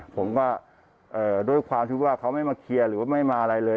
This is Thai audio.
ผมก็ด้วยความที่ว่าเขาไม่มาเคลียร์หรือว่าไม่มาอะไรเลย